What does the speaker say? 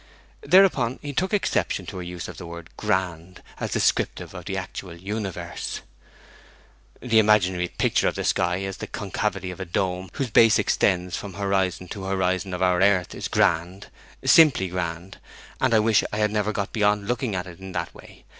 Thereupon he took exception to her use of the word 'grand' as descriptive of the actual universe: 'The imaginary picture of the sky as the concavity of a dome whose base extends from horizon to horizon of our earth is grand, simply grand, and I wish I had never got beyond looking at it in that way.